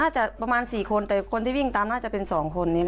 จะประมาณ๔คนแต่คนที่วิ่งตามน่าจะเป็น๒คนนี้